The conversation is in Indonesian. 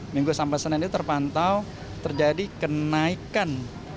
minggu sampai senin ini terpantau terjadi kenaikan